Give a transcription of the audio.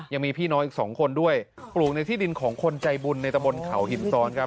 ยังมีพี่น้องอีกสองคนด้วยปลูกในที่ดินของคนใจบุญในตะบนเขาหินซ้อนครับ